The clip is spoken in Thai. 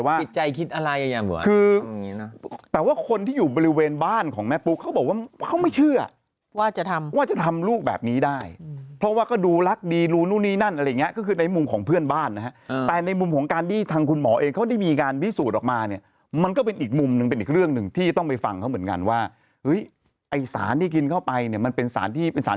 อะไรนะคุกสิฮ่าฮ่าฮ่าฮ่าฮ่าฮ่าฮ่าฮ่าฮ่าฮ่าฮ่าฮ่าฮ่าฮ่าฮ่าฮ่าฮ่าฮ่าฮ่าฮ่าฮ่าฮ่าฮ่าฮ่าฮ่าฮ่าฮ่าฮ่าฮ่าฮ่าฮ่าฮ่าฮ่าฮ่าฮ่าฮ่าฮ่าฮ่าฮ่าฮ่าฮ่าฮ่า